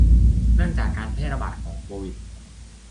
เนื่องจากการแพร่ระบาดของโควิด